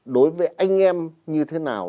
đối với anh em như thế nào